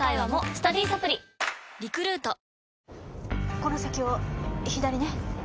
この先を左ね。